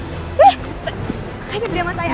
ih makanya beli sama saya